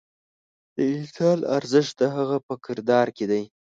د انسان ارزښت د هغه په کردار کې دی.